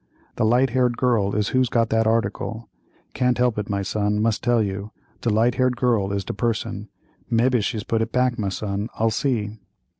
The light haired girl is who's got that article. Can't help it, my son, must tell you—de light haired girl is de person. Mebbe she's put it back, my son, I'll see."